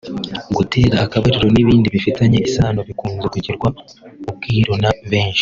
gutera akabariro n’ibindi bifitanye isano bikunze kugirwa ubwiru na benshi